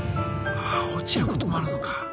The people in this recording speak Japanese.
あ落ちることもあるのか。